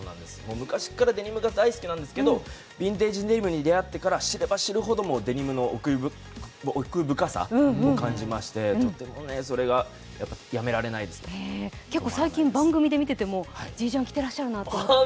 昔からデニムが大好きなんですけど、ビンテージデニムに知り合ってから知れば知るほど、デニムの奥深さを感じまして、とても、それがやめられないですね結構最近番組で見てても、ジージャン着てらっしゃるなと。